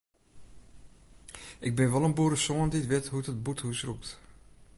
Ik bin wol in boeresoan dy't wit hoe't in bûthús rûkt.